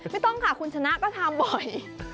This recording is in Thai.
ไม่ต้องค่ะคุณชนะก็ทำบ่อย